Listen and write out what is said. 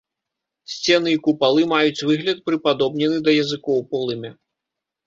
Сцены і купалы маюць выгляд прыпадобнены да языкоў полымя.